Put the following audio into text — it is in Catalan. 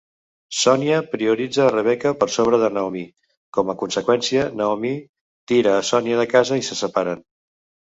Sonia prioritza a Rebecca per sobre de Naomi. Com a conseqüència, Naomi tira a Sonia de casa i se separen.